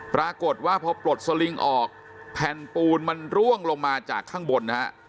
ปรากฏว่าพอปลดสลิงออกแผ่นปูนมันร่วงลงมาจากข้างบนนะฮะ